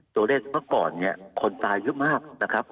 ตัวเลขเมื่อก่อนคนตายมากนะครับ